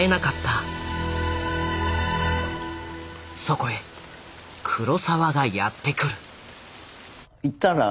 そこへ黒澤がやって来る。